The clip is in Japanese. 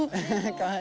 かわいい！